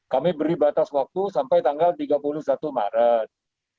kami beri batas waktu sampai tanggal tiga puluh satu maret